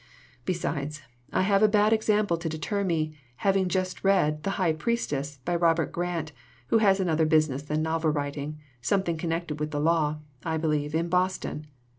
"Besides, I have a bad example to deter me, having just read The High Priestess, by Robert Grant, who has another business than novel writ ing something connected with the law, I believe, in Boston.